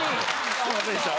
すいませんでした。